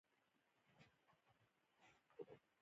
په سرخه د مالوچو نه سپڼسي پرغښتلي كېږي۔